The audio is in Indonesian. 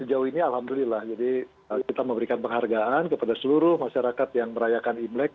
sejauh ini alhamdulillah jadi kita memberikan penghargaan kepada seluruh masyarakat yang merayakan imlek